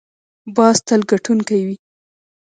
باز تل ګټونکی وي